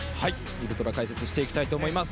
ウルトラ解説していきたいと思います。